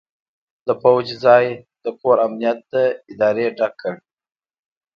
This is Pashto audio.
د پوځ ځای د کور امنیت ادارې ډک کړ.